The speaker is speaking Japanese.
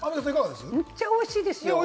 むっちゃおいしいです。